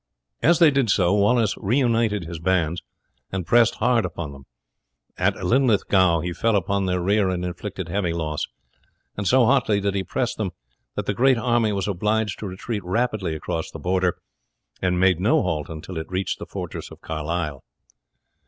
As they did so Wallace reunited his bands, and pressed hard upon them. At Linlithgow he fell upon their rear and inflicted heavy loss, and so hotly did he press them that the great army was obliged to retreat rapidly across the Border, and made no halt until it reached the fortress of Carlisle.